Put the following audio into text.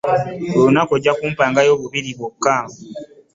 Buli lunaku ojja kumpangayo bubiri bwokka.